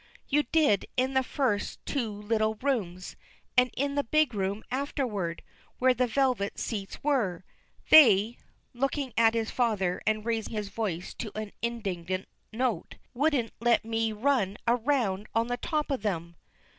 "You did in the first two little rooms and in the big room afterward, where the velvet seats were. They," looking at his father and raising his voice to an indignant note, "wouldn't let me run round on the top of them!"